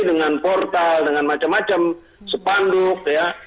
dengan portal dengan macam macam sepanduk ya